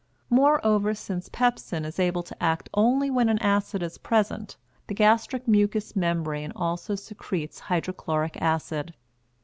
Moreover, since pepsin is able to act only when an acid is present, the gastric mucous membrane also secretes hydrochloric acid.